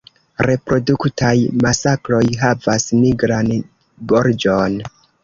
Reproduktaj maskloj havas nigran gorĝon.